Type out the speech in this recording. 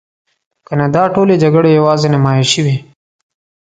کنه دا ټولې جګړې یوازې نمایشي وي.